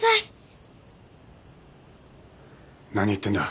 何言ってんだ。